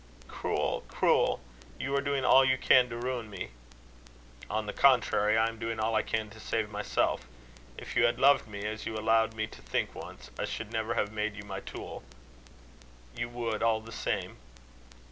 "Cruel! cruel! You are doing all you can to ruin me." "On the contrary, I am doing all I can to save myself. If you had loved me as you allowed me to think once, I should never have made you my tool." "You would all the same."